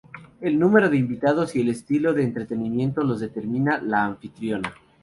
El número de invitados y el estilo de entretenimiento los determina la anfitriona.